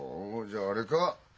じゃああれか？